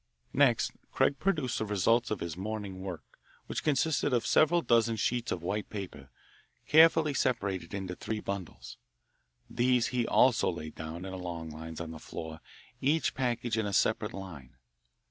Next Craig produced the results of his morning's work, which consisted of several dozen sheets of white paper, carefully separated into three bundles. These he also laid down in long lines on the floor, each package in a separate line.